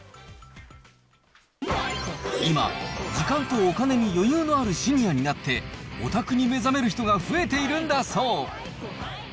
今、時間とお金に余裕のあるシニアになって、オタクに目覚める人が増えているんだそう。